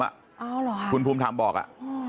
อ๋อเหรอคุณภูมิธรรมบอกอ่ะ